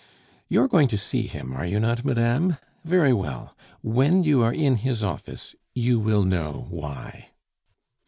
You are going to see him, are you not, madame? Very well, when you are in his office you will know why."